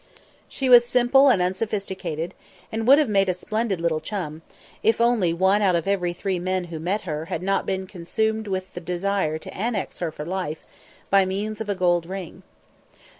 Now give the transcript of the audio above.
She was simple and unsophisticated and would have made a splendid little chum, if only one out of every three men who met her had not been consumed with a desire to annex her for life by means of a gold ring.